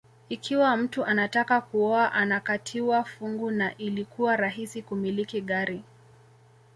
Ikiwa mtu anataka kuoa anakatiwa fungu na ilikuwa rahisi kumiliki gari